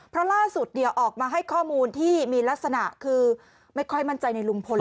เพราะล่าสุดออกมาให้ข้อมูลที่มีลักษณะคือไม่ค่อยมั่นใจในลุงพล